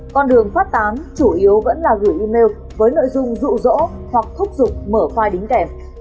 con đường phát tán chủ yếu vẫn là gửi email với nội dung rụ rỗ hoặc thúc dụng mở file đính kẻ